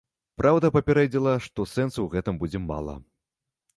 Праўда, папярэдзіла, што сэнсу ў гэтым будзе мала.